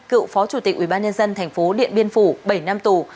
cựu phó chủ tịch ubnd tp điện biên phủ bảy năm tù